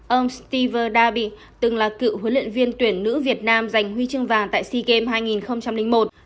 ông stever dabi từng là cựu huấn luyện viên tuyển nữ việt nam giành huy chương vàng tại sea games hai nghìn một